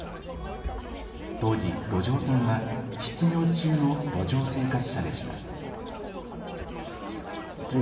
当時、路上さんは失業中の路上生活者でした。